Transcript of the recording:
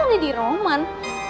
ada di roman